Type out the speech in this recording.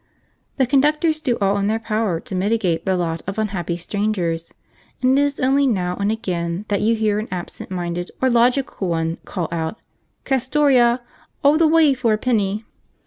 The conductors do all in their power to mitigate the lot of unhappy strangers, and it is only now and again that you hear an absent minded or logical one call out, 'Castoria! all the w'y for a penny.'